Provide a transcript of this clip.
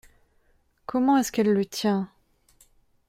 Comment est-ce qu’elle le tient…